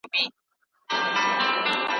بهرنی سیاست امین استازی دی.